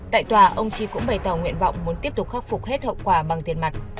tại tòa ông chi cũng bày tỏ nguyện vọng muốn tiếp tục khắc phục hết hậu quả bằng tiền mặt